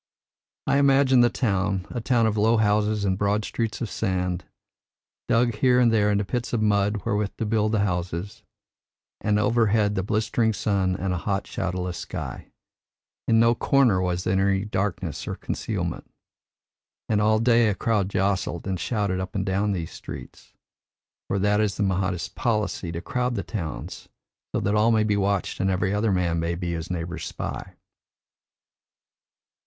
I imagine the town a town of low houses and broad streets of sand, dug here and there into pits for mud wherewith to build the houses, and overhead the blistering sun and a hot shadowless sky. In no corner was there any darkness or concealment. And all day a crowd jostled and shouted up and down these streets for that is the Mahdist policy to crowd the towns so that all may be watched and every other man may be his neighbour's spy.